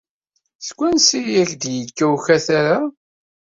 Seg wansi ay ak-d-yekka ukatar-a?